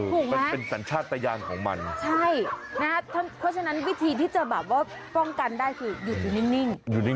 ถูกไหมครับใช่นะครับเพราะฉะนั้นวิธีที่จะแบบว่าป้องกันได้คือหยุดอยู่นิ่ง